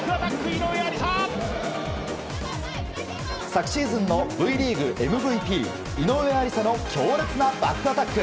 昨シーズンのＶリーグＭＶＰ井上愛里沙の強烈なバックアタック。